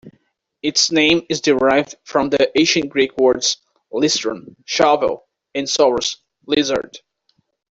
Its name is derived from the Ancient Greek words "listron" "shovel" and "sauros" "lizard".